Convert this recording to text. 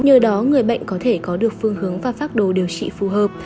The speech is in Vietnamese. nhờ đó người bệnh có thể có được phương hướng và phác đồ điều trị phù hợp